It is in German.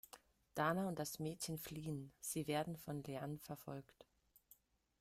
Dana und das Mädchen fliehen, sie werden von Leann verfolgt.